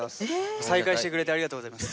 再開してくれてありがとうございます。